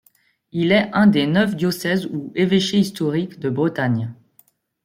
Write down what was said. Il est un des neuf diocèses ou évêchés historiques de Bretagne.